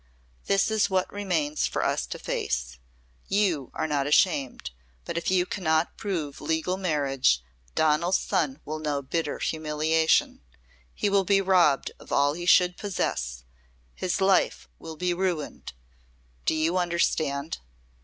This is what remains for us to face. You are not ashamed, but if you cannot prove legal marriage Donal's son will know bitter humiliation; he will be robbed of all he should possess his life will be ruined. Do you understand?"